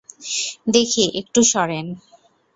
দেখি একটু সরেন।